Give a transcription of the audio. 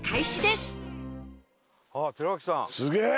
すげえ！